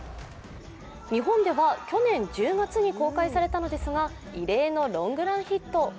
日本では去年１０月に公開されたのですが異例のロングランヒット。